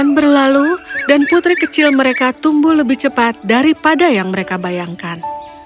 bulan berlalu dan putri kecil mereka tumbuh lebih cepat daripada yang mereka bayangkan